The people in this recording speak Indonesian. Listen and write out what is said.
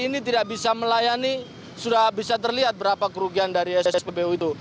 ini tidak bisa melayani sudah bisa terlihat berapa kerugian dari sspbu itu